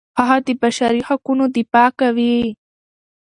هغه د بشري حقونو دفاع کوي.